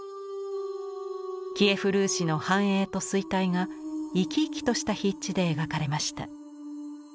キエフ・ルーシの繁栄と衰退が生き生きとした筆致で描かれました。